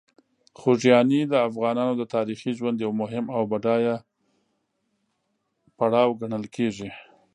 خوږیاڼي د افغانانو د تاریخي ژوند یو مهم او بډایه پړاو ګڼل کېږي.